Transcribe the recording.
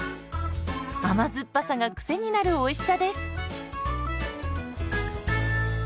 甘酸っぱさがクセになるおいしさです。